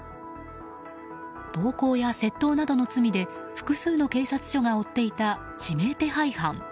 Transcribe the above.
暴行や窃盗などの罪で複数の警察署が追っていた指名手配犯。